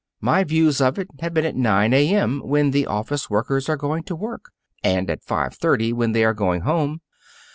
My views of it have been at nine A.M. when the office workers are going to work, and at five thirty when they are going home.